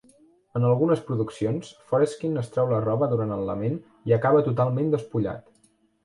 En algunes produccions, Foreskin es treu la roba durant el lament i acaba totalment despullat.